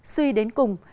suy đến cùng